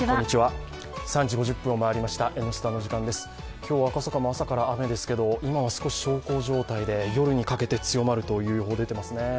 今日、赤坂も朝から雨ですけれども、今は少し小康状態で、夜にかけて強まるという予報が出ていますね。